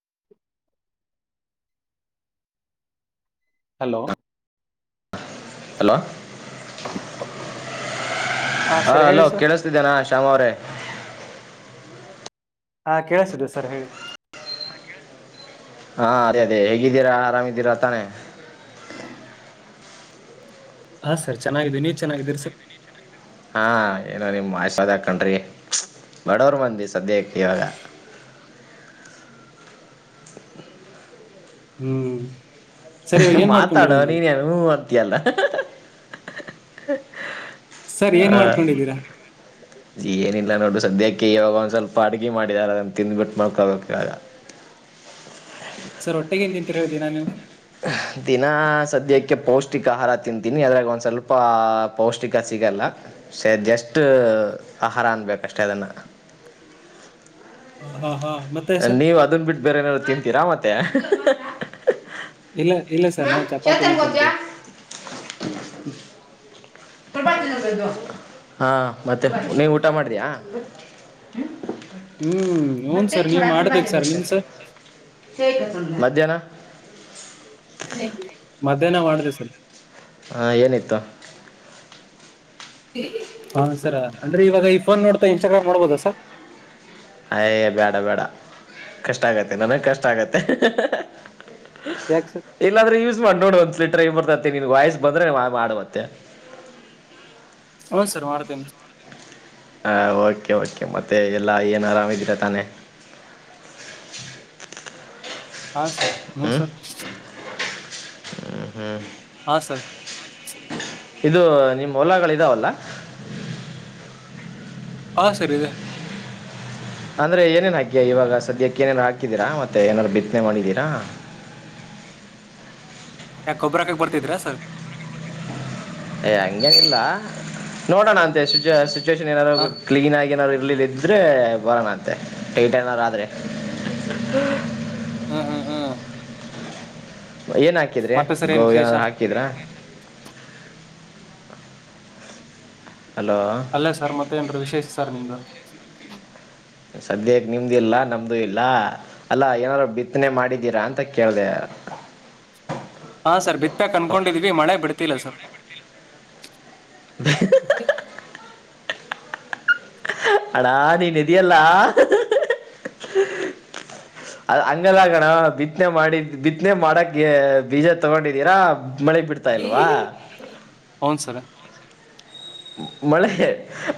[inaudible] Hello hello ಹಾ sir ಹೇಳಿ hello sir ಕೇಳಿಸ್ತಿದೇನಾ ಶ್ಯಾಮ ಅವ್ರೇ ಹಾ ಕೇಳಸತ್ತಿದೆ ಸರ್ ಹೇಳಿ ಹಾ ಅದೇ ಅದೇ ಹೇಗಿದ್ದೀರಾ ಆರಾಮಿದ್ದೀರಾ ತಾನೆ ಹಾ ಸರ್ ಚೆನ್ನಾಗಿದ್ದೀನಿ ನೀವ ಚೆನ್ನಾಗಿದ್ದೀರಿ ಸರ್ ಹಾ ಏನೋ ನಿಮ್ ಆಶಿವಾದ ಕಣ್ರೀ ಬಡೋವರ ಮಂದಿ ಸದ್ಯಕ್ಕ ಇವಾಗ ಹ್ಮ್ ಸರ್ ಇವಾಗ ಏನ್ ಮಾಡ್ಕೊಂಡಿರೋ ಮಾತಾಡೋ ನೀವು ನೀನೆನು ಹ್ಮ ಅಂತಿಯಲ್ಲ ಸರ್ ಹ ಏನ್ ಮಾಡ್ಕೊಂಡಿದ್ದೀರಾ ಏನಿಲ್ಲ ನೋಡ ಸದ್ಯಕ್ಕೆ ಈಗ ಒಂದ್ ಸ್ವಲ್ಪ ಅಡ್ಗೆ ಮಾಡಿದಾರ ಅದನ್ನ ತಿಂದ್ಬಿಟ್ಟು ಮಲಕೊಬೇಕ ಇವಾಗ ಸರ್ ಹೊಟ್ಟೆಗೆನ್ನ ತಿಂತಿರಾ ದಿನಾ ನೀವು ದಿನ ಸದ್ಯಕ್ಕೆ ಪೌಷ್ಟಿಕ ಆಹಾರ ತಿಂತೀನಿ ಅದ್ರಾಗ ಒಂದ್ ಸ್ವಲ್ಪ ಪೌಷ್ಟಿಕ ಸಿ ಸಿಗಲ್ಲ ಜಸ್ಟ್ ಆಹಾರ ಅನ್ನಬೇಕ ಅಷ್ಟೇ ಅದನ್ನ ಹ ಹಾ ಹಾ ಮತ್ತೆ ಸರ್ ನೀವ್ ಅದನ್ ಬಿಟ್ಟು ಬೇರೆ ನಾರು ತಿಂತೀರಾ ಮತ್ತೆ ಇಲ್ಲ ಇಲ್ಲ ಸರ್ ನಾವು ಚೇತನ್ ಚಪಾತಿನೇ ಗೊತ್ತಾ ತಿಂತೀ. ಹಾ ಮತ್ತೆ ನೀವು ಊಟ ಮಾಡಿದಿಯಾ. ಹ್ಮ್ ಹ್ಞೂ ಬಟ್ಟ್ಟೆ ಸರ್ ತೊಡ ನೀವ್ ತೋಡ ಮಾಡ್ಬೇಕು ಅಗೆದ ನಿಮ್ ಸರ್ [unintelligible] ಮಧ್ಯಾಹ್ನ. ಮಧ್ಯಾಹ್ನ ಮಾಡಿದೆ ಸರ್. ಹಾ ಏನಿತ್ತು. ಹಾ ಸರ ಅಂದ್ರೆ ಇವಾಗ ಈ ಫೋನ್ ನೋಡ್ತಾ ಇನ್ಸ್ಟಾಗ್ರಾಮ್ ನೋಡ್ಬೋದಾ ಸಾರ್. ಅಯ ಬೇಡ ಬೇಡ ಕಷ್ಟ ಆಗತ್ತೆ ನನಗ್ ಕಷ್ಟ ಆಗತ್ತೆ. ಯಾಕೆ ಸರ್ ಇಲ್ಲಾದ್ರೆ ಯೂಸ್ ಮಾಡಿ ನೋಡಿ ಒಂದ ಸರಿ ಟ್ರೈ ಬರ್ತೈ. ನಿನ್ಗೆ ವಯಸ್ಸ ಬಂದ್ರೆ ಮಾಡು ಅಂತೆ. ಹೂ ಸರ್ ಮಾಡ್ತೇನೆ. ಹಾಂ ಓಕೆ ಓಕೆ ಮತ್ತೆ ಎಲ್ಲ ಏನು ಆರಾಮ್ದೀರಾ ತಾನೇ. [inaudible] ಹಾ ಸರ್ ನೀವು ಸರ್. ಹ್ಮ ಹ್ಮ್. ಹಾ ಸರ್. ಇದು ನಿಮ್ ಹೊಲಗಳ ಇದಾವಲ್ಲ. ಹಾ ಸರಿ ಇದೆ. ಅಂದ್ರೆ ಏನೇನ ಹಾಕಿಯಾ ಇವಾಗ ಸದ್ಯಕ್ಕೆ ಏನಾದಾರು ಹಾಕಿದ್ದೀರಾ ಮತ್ತೆ ಏನಾದಾರರು ಬಿತ್ತನೆ ಮಾಡಿದ್ದೀರಾ. [inaudible] ಯಾಕ ಗೊಬ್ಬರ ಹಾಕಕ್ ಬರ್ತಿದ್ರಾ ಸರ್. ಏ ಹಂಗನ ಇಲ್ಲ ನೋಡೋಣ ಅಂತೆ ಸುಚು ಸಿಚುವೇಶನ್ ಹಾ ಏನಾರ್ರು ಕ್ಲೀನ್ ಆಗಿ ಏನಾದ್ರು ಲ್ಲಿ ಇದ್ರೆ ಬಣಂತೆ ಟೈಟ್ ಏನಾದ್ರೂ ಆದ್ರೆ. ಹ್ಮ್ ಹ್ಮ್ ಹ್ಮ್. ಏನ್ ಹಾಕಿದ್ರಿ ಮತ್ತೆ ಸರ್ ಗೋ ಏನ್ ವಿಶೇಷ ಏನಾದ್ರು ಹಾಕಿದ್ರ. ಅಲೋ ಅಲ್ಲೇ ಸರ್ ಮತ್ತೇನ್ರು ವಿಶೇಷ ಸರ್ ನಿಮ್ದು. ಸದ್ಯಗ್ ನಿಮ್ದು ಇಲ್ಲ ನಮ್ದು ಇಲ್ಲ ಅಲ್ಲ ಏನಾದಾರ್ರು ಬಿತ್ತನೆ ಮಾಡಿದ್ದೀರಾ ಅಂತ ಕೇಳಿದೆ. [inaudible] ಹಾ ಸರ್ ಬಿತ್ತಾಕ್ ಅನ್ಕೊಂಡಿದ್ವಿ ಮಳೆ ಬಿಡ್ತಿಲ್ಲ ಸರ್. [unintelligible] ಅಣ್ಣ ನೀನ್ ಇದಿಯಲ್ಲ. ಅ ಹಂಗಲ್ಲ ಕಣೋ ಬಿತ್ನೆ ಮಾಡಿ ಬಿತ್ನೆ ಮಾಡಕ್ ಏ ಬೀಜ ತಗೊಂಡಿದ್ದೀರಾ. ಮಳೆ ಬಿಡ್ತಾ ಇಲ್ವಾ ಹ ಸರ್. ಹೌನ್ ಸರ್ ಮಳೆ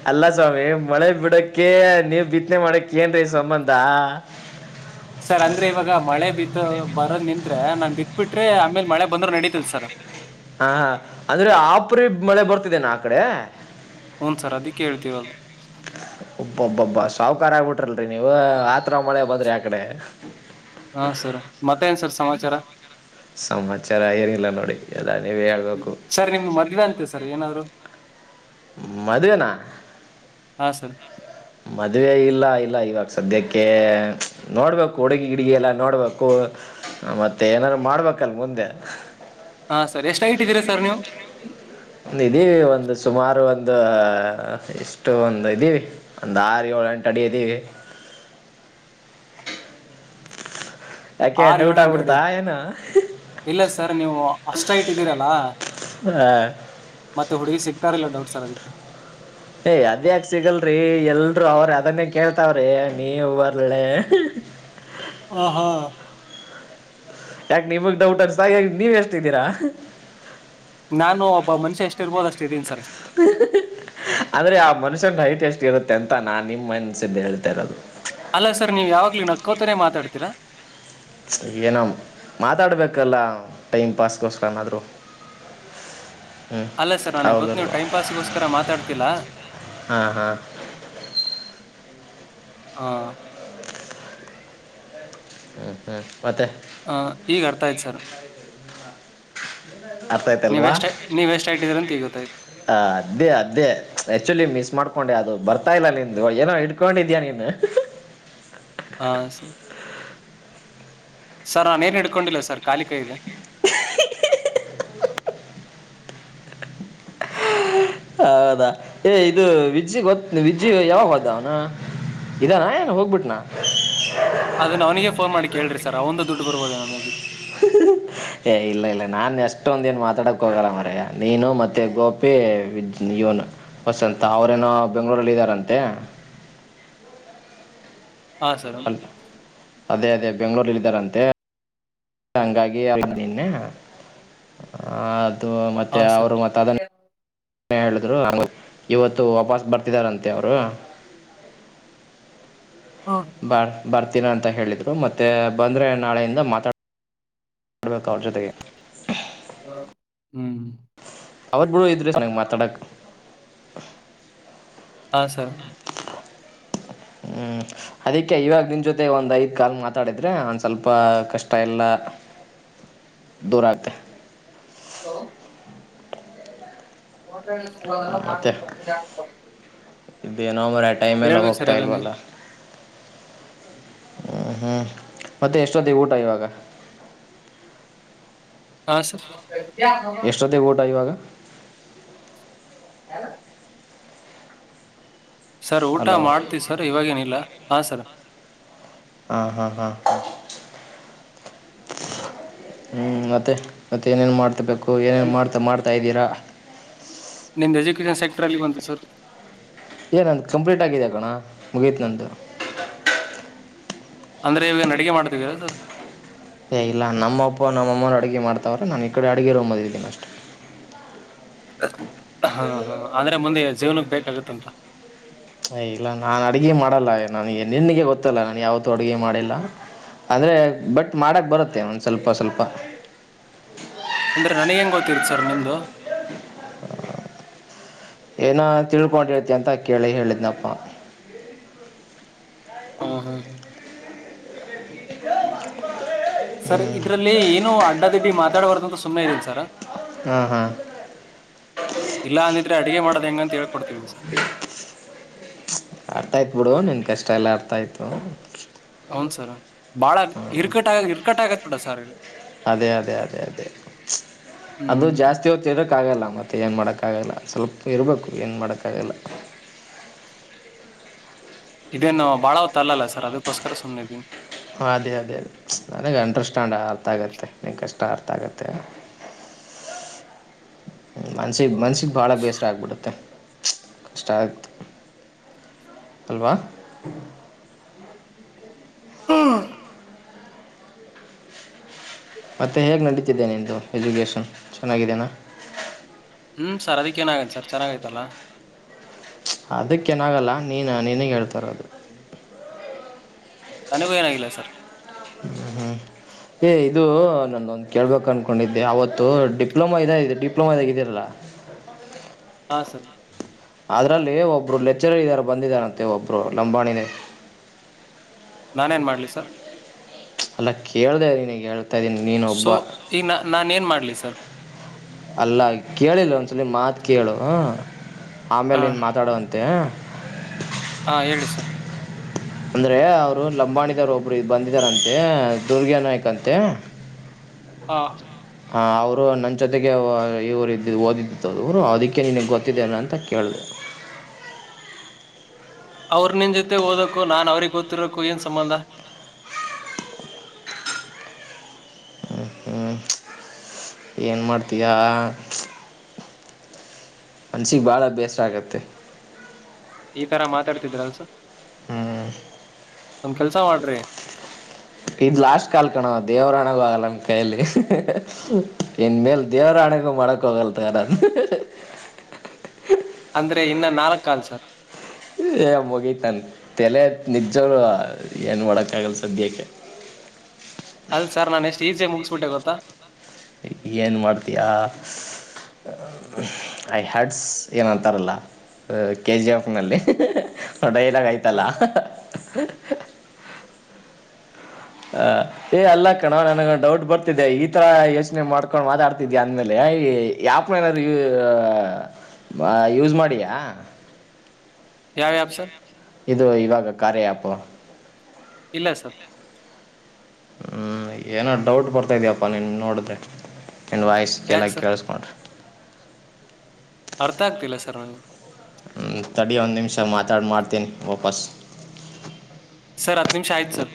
ಅಲ್ಲ ಸ್ವಾಮಿ ಮಳೆ ಬಿಡಕ್ಕೆ ನೀವ್ ಬಿತ್ತನೆ ಮಾಡಕ್ಕೆ. ಏನ್ರೀ ಸಮ್ಮಂದಾ. ಸರ್ ಅಂದ್ರೆ ಇವಾಗ ಮಳೆ ಬಿತ್ತ ಬರದ್ ನಿಂತ್ರೆ ನಾನ್ ಬಿತ್ಬಿಟ್ರೆ ಆಮೇಲ್ ಮಳೆ ಬಂದ್ರ ನಡಿತೈತಿ ಸರ್. ಹಾ ಹಾ ಅಂದ್ರೆ ಆಪರಿ ಮಳೆ ಬರ್ತಿದೆೇನಾ ಆ ಕಡೆ. ಹನ್ ಸರ್ ಅದಿಕ್ಕೆ ಹೇಳುತ್ತಿರೊದು. ಅಬ್ಬಬ್ಬಾ ಸಾಹುಕಾರ್ ಆಗ್ಬಿಟ್ರಲ್ರಿ ನೀವು ಆ ಥರ ಮಳೆ ಬಂದ್ರರಿ ಆ ಕಡೆ. ಹಾ ಸರ್ ಮತ್ತೆ ನ್ ಸರ್ ಸಮಾಚಾರ. ಸಮಾಚಾರ ಏನಿಲ್ಲ ನೋಡಿ. ನೀವೇ ಹೇಳ್ಬೇಕು ಸರ್ ನಿಮ್ದ್ ಮದ್ವೆ ಅಂತೆ ಸರ್ ಏನಾದ್ರು. ಮದುವೆನಾ. ಹಾ ಸರ್ ಮದುವೆ ಇಲ್ಲ ಇಲ್ಲ ಇವಾಗ ಸದ್ಯಕ್ಕೆ ನೋಡಬೇಕು ಹುಡುಗಿ ಗಿಡಗಿ ಎಲ್ಲ ನೋಡಬೇಕು. ಮತ್ತೆ ಏನಾದಾರರು ಮಾಡ್ಬೇಕಲ್ ಮುಂದೆ. ಹಾ ಸರ್ ಎಷ್ಟ ಹೈಟ್ ಇದೀರಾ ಸರ್ ನೀವು. ಇದೀವಿ ಒಂದು ಸುಮಾರು ಒಂದು ಇಷ್ಟು ಒಂದ ಇದೀವಿ ಒಂದ ಆರ ಯೋಳ. ಎಂಟ ಅಡಿ ಇದೀವಿ. ಯಾಕೆ ಆರ್ ಏಳು ಡೌಟ್ ಎಂಟು ಅಡಿ ಆಗ್ಬಿಡ್ತಾ ಏನು. ಇಲ್ಲ ಸರ್ ನೀವು ಅಷ್ಟ ಹೈಟ್ ಇದಿರಲ್ಲ ಹಾ ಮತ್ತೆ ಹುಡುಗಿ ಸಿಗ್. ರಲ್ಲ ಡೌಟ್ ಸರ್ ಅದಕ್ಕೆ ಏ ಅದ್ಯಾಕ ಸಿಗಲ್ರಿ ಎಲ್ರುೂ ಅವ್ರರು ಅದನ್ನೇ ಕೇಳ್ತಾವ್ರಿ ನೀವ ಬರ್ಳ [inaudible] ಹ ಹಾ ಯಾಕ ನಿಮಗ್ ಡೌಟ್ ಅನ್ಸತ ಹಾಗ ನೀವ ಎಷ್ಟಿದ್ದೀರಾ ನಾನು ಒಬ್ಬ ಮನುಷ್ಯ ಎಷ್ಟ ಇರ್ಬೋದ ಅಷ್ಟೇ ಇದೀಿ ಸರ್ ಅಂದ್ರೆ ಆ ಮನುಷ್ಯನ ೈಟ್ ಎಷ್ಟ ಇರುತ್ತೆ ಅಂತ ನಾ ನಿಮ್ ಮನ್ಸ್ದ ಹೇಳ್ತರೋದು ಅಲ್ಲ ಸರ್ ನೀವು್ ಯಾವಾಗ್ಲ ನಕ್ಕೋತಾನೇ ಮಾತಾಡ್ತೀರಾ ಏನ ಮಾತಾಡ್ಬೇಕಲ್ಲ ಟೈಮ್ ಪಾಸ್ಗೋಸ್ಕರನಾದರೂ [inaudible] ಹ್ಮ್ ಅಲ್ಲ ಸರ್ ನನಗೆ ಗೊತ್ತು ನೀವು ಹೌದಲ್ವಾ ಟೈಮ್ ಪಾಸ್ಗೋಸ್ಕರ ಮಾತಾಡ್ತಿಲ್ಲ ಹಾ ಹಾ ಹ ಹಾ ಹ್ಮ ಹಾ ಹ ಈಗ ಅರ್ಥಯ್ತ್ ಸರ್ ಅತಾಯ ತಲ್ಲವಾ ನೀವೆಷ್ಟು ನೀವೆಷ್ಟು ಇಟ್ಟಿದ್ದೀರಿ ಅಂತ ಈಗ ಗೊತ್ತಾಯ್ತು ಹ ಅದೇ ಅದೇ ಆಕ್ಚುಲಿ ಮಿಸ್ ಮಾಡ್ ಹಕೊಂಡೆ ಅದು ಬರ್ತಾ ಇಲ್ಲ ನಿನ್ ಏನೋ ಇಡ್ಕೊಂಡಿದ್ಯಾ ನೀನು ಹಾ ಸರ್ ಸರ್ ನಾನೇನ್ ಹಿಡ್ಕೊಂಡಿಲ್ಲ ಸರ್ ಕಾಲಿಕೈದೆ ಹೌದಾ ಏ ಇದು ವಿಜ್ಜಿ ಗ ವಿಜ್ಜಿ ಯಾವಾಗ ಹದ ಅವ್ನು ಇದಾನ ಏನ್ ಹೋಗ್ಬಿಟ್ನಾ ಅದನ್ನ ಅವನಿಗೆ ಫೋನ್ ಮಾಡಿ ಕೇಳ್ರಿ ಸರ್ ಅವ ಒಂದು ದುಡ್ಡು ಬರ್ಬೋದ ನಮಗೆ ಹ್ಮ ಏ ಇಲ್ಲ ಇಲ್ಲ ನಾನ್ ಎಷ್ಟೊಂದ ಏನ್ ಮಾತಾಡಕ್ ಹೋಗಲ್ಲ ಮರ ನೀನು ಮತ್ತೆ ಗೋಪಿ ಹೊಸ ಅಂತ ಅವ್ರೇನೋ ಬೆಂಗಳೂರಲ್ಲಿ ಇದ್ದಾರಂತೆ ಹಾ ಸರ್ ಅಲ್ ಅದೇ ಅದೇ ಬೆಂ್ಗಳೂರಿಲ್ಲಿದ್ದಾರಂತೆ ಹಂಗಾಗಿ ನಿನ್ನೆ ಮತ್ತೆ ಹಾ ಸರ್ ಅವರು ಮತ್ತ ಅದನ್ನು ಹೇಳಿದ್ರು ಹಂಗ ಇವತ್ತು ವಾಪಸ್ ಬರ್ತಿದಾರಂತೆ ಅವರು ಬರ್ ಬರ್ತೀನ ಅಂತ ಹೇಳಿದ್ರು ಮತ್ತೆ ಬಂದರೆ ನಾಳೆಯಿಂದ ಮಾತಾಡ್ ನೋಡ್ಬೇಕು ಅವ್ರ ಜೊತೆಗೆ ಹ ಹ್ಮ್ ಅವರು ಬಿಡ ಎದು್ರ ಮಾತಾಡಕ್ ಹಾ ಸರ್ ಹ್ಮ್ ಅದಿಕ್ಕೆ ಇವಾಗ ನಿನ್ ಜೊತೆ ಒಂದ್ ಐದ್ ಕಾಲ್ ಮಾತಾಡಿದ್ರೆನ್ಸ ಸ್ವಲ್ಪ ಕಷ್ಟ ಎಲ್ಲ ದೂರ ಆಗುತ್ತೆ ಹ ಮತ್ತೆ [inaudible] ಇದೇನೋ ಮ್ರ ಆ ಟೈಮ್ಲ್ಲ ಹೇಳ್ಬೇಕು ಸರ್ ಹೋಗ್ತಾ ಎಲ್ಲ ನೀವು ಇಲ್ವಲ್ಲ ಹ್ಮ್ ಹ್ಮ್ ಮತ್ತೆ ಎಷ್ಟೊತ್ತಿಗೆ ಊಟ ಇವಾಗ [inaudible] ಹಾ ಸರ್ ಎಷ್ಟೊತ್ತೇ ಊಟ ಇವಾಗ ಹಾರ ಸರ್ ಊಟ ಹಲೋ ಮಾಡ್ತೀವಿ ಸರ್ ಇವಾಗೇನಿಲ್ಲ ಹಾಂ ಸರ್ ಹಾ ಹಾ ಹಾ ಹಾ ಹ್ಮ್ ಮತ್ತೆ ಮತ್ತೆ ಏನೇನ್ ಮಾಡ್ತಿಬೇಕು ಸೊ ಏನೇನು ನಿ- ಮಾಡ್ತಾ ಮಾಡ್ತಾಯಿದ್ದೀರಾ ನಿಮ್ದು ಎಜುಕೇಶನ್ ಸೆಕ್ಟರ್ಲ್ಲಿ ಬಂತು ಸರ್ ಏ ನಂದು ಕಂಪ್ಲೀಟ್ ಆಗಿದೆಗೋಣ ಮುಗೀತ್ ನಂದು ಅಂದ್ರೆ ಈವಾಗ ನಡಿಗೆ ಮಾಡ್ತಿದ್ದೀರಾ ಸರ್ ಏ ಇಲ್ಲ ನಮ್ಮ ಅಪ್ಪ ನಮ್ಮಮ್ಮನ ಅಡುಗೆ ಮಾಡ್ತವ್ರೆ ನಾನು ಈ ಕಡೆ ಅಡುಗೆ ರೂಮ್ ಬದಿದ್ದೀನಿ ಅಷ್ಟೇ ಹಾ ಹ ಆದ್ರೆ ಮುಂದೆ ಜೀವನಕ್ಕೆ ಬೇಕಾಗತ್ತಂತ ಹ ಇಲ್ಲ ನಾನ್ ಅಡಗೆ ಮಾಡಲ್ಲ ನನಗೆ ನಿನಗೆ ಗೊತ್ತಲ್ಲ ನಾನನ್ ಯಾವತ್ತೂ ಅಡುಗೆ ಮಾಡಿಲ್ಲ ಆದ್ರೆ ಬಟ್ ಮಾಡಕ್ ಬರುತ್ತೆ ಒಂದ ಸ್ವಲ್ಪ ಸ್ವಲ್ಪ ಅಂದ್ರೆ ನನಗ ಹೆಂಗ ಗೊತ್ತರ್ ಸರ್ ನಿಮ್ದು ಏನ ತಿಳ್ಕೊಂಡಿರ್ತಿ ಅಂತ ಕೇಳಿ ಹೇಳಿದ್ನಪ್ಪ ಹ್ಮ ಹ್ಮ್ ಹ್ಮ ಸರ್ ಇದ್ರಲ್ಲಿ ಏನು ಅಡ್ಡದಿಡ್ಡಿ ಮಾತ್ರ ಎಡ ಬರ್ದಂತ ಸುಮ್ಮನೆ ಇದ್ದೀನಿ ಸರ ಹಾಂ ಹಾಂ ಇಲ್ಲ ಅಂದಿದ್ರೆ ಅಡುಗೆ ಮಾಡ್ದ್ ಹೆಂಗಂತ ಹೇಳ ಅರ್ತಾಯ್ತ್ ಬಿಡು ನನ್ ಕಷ್ಟ ಎಲ್ಲ ಅರ್ತಾಯ್ತು ಸರ್ ಬಾಳ ಇರ್ಕಟ್ ಇರ್ಕಟ್ಟ ಆಗತ್ಡ ಸರ್ ಅದೇ ಅದೇ ಅದೇ ಅದೇ ಅದು ಹ್ಮ್. ಜಾಸ್ತಿ ಹೋತಿರಕ್ಕ ಆಗಲ್ಲ ಮತ್ತುತ್ತ ಏನು ಮಾಡೋಕ್ಕಾಗಲ್ಲ ಸ್ವಲ್ಪ ಇರಬೇಕು ಏನ್ ಮಾಡೋಕ್ಕಾಗಲ್ಲ ಇದೇನು ಬಾಳ ತ ಅಲ್ಲ ಸರ್ ಅದಕ್ಕೋಸ್ಕರ ಸುಮ್ನೆ ಇದೀ ಹಾಂ ಅದೇ ಅದೇ ಅದೇ ನನಗೆ ಅಂಡರ್ಸ್ಟ್ಯಾಂಡ್ ಅರ್ಥ ಆಗುತ್ತೆ [unintelligible] ಮನ್ಸಿಗೆ ಮನ್ಸ್ಸಿಗೆ ಭಾಳ ಬೇಸರ ಆಗ್ಬಿಡುತ್ತೆ ಕಷ್ಟ ಆಯಿತು ಹಲ್ವಾ ಹಾ ಮತ್ತೆ ಹೇಗೆ ನಡೀತಿದ್ದೇನೆದು ಎಜುಕಷನ್ ಚೆನ್ನಿದೇನಾ ಹ್ಮ್ ಸರ್ ಅದಕ್ಕ ಏನಾಗನ್ ಸರ್ ಚೆನ್ನಾಗೈತಲ್ಲ ಅದಕ್ಕೆ ಏನಾಗಲ್ಲ ನೀನ ನೀನಗೆ ಹೇಳ್ತಾರ ಅದು ಅನಗ ನಾಗಿಲ್ಲ ಸರ್ ಹ್ಞೂ ಏ ಇದು ನಾನೊಂದು ಕೇಳ್ಬೇಕು ಅನ್ಕೊಂಡಿದ್ದೆ ಅವತ್ತು ಡಿಪ್ಲೊಮಾ ಇದ ಡಿಪ್ಲೊಮಾ ಇದಾಗ ಇದರಲ್ಲ ಹೌದು ಹಾ ಸರ್ ಅದ್ರಲ್ಲಿ ಒಬ್ರು ಲೆಚ್ಚರರ್ ಇದಾರ ಬಂದಿದಾರಂತೆ ಒಬ್ರು ಲಂಬಾಣಿನೇ ನಾನೇನ್ ಮಾಡ್ಲಿ ಸರ್ ಅಲ್ಲ ಕೇಳ್ದ್ರೀ ನಗೆ ಹೇಳ ಸೊ ಈ ನ ನಾನನ್ ಏನ್ ಮಾಡ್ಲಿ ಸರ್ ಅಲ್ಲ ಕೇಳಿಲ್ಲ ಒಂದ್ಸಲಿ ಮಾತು ಕೇಳು ಹ ಹಾ ಆಮೇಲೆ ನು ಮಾತಾಡುವಂತೆ ಹಾ ಹೇಳಿ ಸರ್ ಅಂದ್ರೆ ಅವ್ರು ಲಂಬಾಣಿದರ್ ಒಬ್ರು ಇ ಬಂದಿದಾರಂತೆ ದುರ್ಗ ನಾಯ್ಕ್ ಅಂತೆ ಹ [unintelligible] ಹಾ ಅವರು ನನ್ನ ಜೊತೆಗೆ ಇವರು ಇದ್ದಿದ್ದು ಓದಿದ್ದ ಅವರು ಅದಕ್ಕೆ ನಿನಗೆ ಗೊತ್ತಿದ್ದೇ ಅಂತ ಕೇಳಿದೆ ಹ [unintelligible] ಅವ್ರ ನಿನ್ ಜೊತೆ ಓದಕ್ಕೋ ನಾನ್ ಅವ್ರಿಗೆ ಗೊತ್ತಿರಕ್ಕೋ ಏನ್ ಸಂಬಂಧ [inaudible] ಏನ್ ಮಾಡತಿಯ ಮನಸಿಗೆ ಭಾಳ ಬೇಸ್ ಆಗತ್ತೆ ಈ ತರ ಮಾತಾಡ್ತಿದ್ರಲ್ಸ ಹ್ಮ್ ನಮ್ ಕೆಲ್ಸ ಮಾಡ್ರಿ ಇ ಲಾಸ್ಟ್ ಕಾಲ್ ಕಣ ದೇವರಾಣಗ ಆಗಲ್ಲ ನನ್ ಕೈಯಲ್ಲಿ ಇನ್ ಮೇಲ್ ದೇವರಾಣ ಅನಗ ಮಕೋಗಲ್ ತ ನಾನ ಅಂದ್ರೆ ಇನ್ನ ನಾಲ್ಕ ಕಾಲ್ ಸರ್ ಏ ಮುಗತನ್ ತಲೆ ನಿಜೋರು ಏನ್ ಮಾಡಕ್ಕ ಆಗಲ್ಲ ಸದ್ಯಕ್ಕೆ [unintelligible] [inaudible] [unintelligible] ಚೀಸೆ ಮುಗಿಸಸ್ಬಿಟ್ಟೆ ಗೊತ್ತಾ ಏನು ಮಾಡ್ತಯಾ [unintelligible] ಐ ಹ್ಯಾಡ್ಸ್ ಏನಂತಾರಲ್ಲ ಕೆ ಜಿ ಎಫ್ ನಲ್ಲಿ ಡೈಲಾಗೈತಲ್ಲ [unintelligible] ಹ ಏ ಅಲ್ಲ ಕಣವ ನನಗ ಡೌಟ್ ಬರ್ತಿದ್ದೆ ಈ ತರ ಯೋಚನೆ ಮಾಡ್ಕೊಂಡ್ ಮಾತಾಡ್ತಿದಿ ಅಂದ್ಮೇಲೆ [unintelligible] ನ ಯಾಪ್ ಏನಾದ್ರು ಯ ಯೂಸ್ ಮಾಡಿಯಾ ಯಾವ ಆ್ಯಪ್ [unintelligible] ಇದು ಇವಾಗ ಕಾರ್ಯಾ ಆ್ಯಪ್ ಇಲ್ಲ ಸರ್ ಹ್ಮ್ ಏನ ಡೌಟ್ ಬರ್ತಾ ಇದಯಪ್ಪಾ ನೀನ್ ನೋಡಿದ್ರೆ ಎಂಡ್ ವಾಯ್ಸ್ಗೆಲ್ಲ ಯಾಕೆ ಸರ್ ಕೇಳಿಸ್ಕೊನ್ಡ್ರಿ ಅರ್ಥ ಆಗ್ತಿಲ್ಲ ಸರ್ ನನಗೆ ಹ್ಮ ತಡಿ ಒಂದ್ ನಿಮಿಷ ಮಾತಾಡ್ ಮಾಡ್ತೇನಿ ವಾಪಸ್ ಸರ್ ಹತ್ತು ನಿಮಿಷ ಆಯಿತು ಸರ್